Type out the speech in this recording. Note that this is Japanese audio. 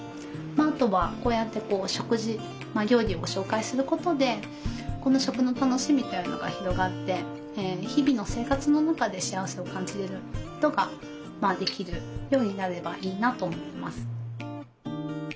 あとはこうやって食事料理を紹介することでこの食の楽しみというのが広がって日々の生活の中で幸せを感じることができるようになればいいなと思います。